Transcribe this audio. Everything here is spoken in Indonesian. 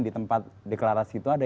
di tempat deklarasi itu ada